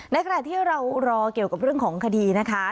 ขณะที่เรารอเกี่ยวกับเรื่องของคดีนะคะ